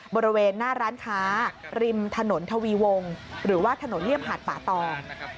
บริเวณหน้าร้านค้าริมถนนทวีวงหรือว่าถนนเรียบหาดป่าตอง